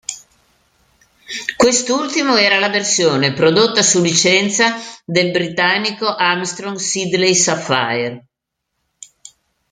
Quest'ultimo era la versione prodotta su licenza del britannico Armstrong Siddeley Sapphire.